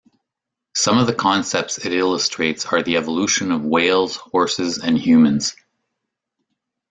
Some of the concepts it illustrates are the evolution of whales, horses, and humans.